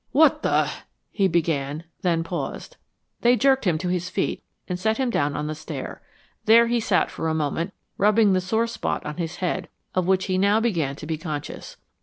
"What the !" he began; then paused. They jerked him to his feet and set him down on the stair. There he sat for a moment, rubbing the sore spot on his head, of which he now began to be conscious.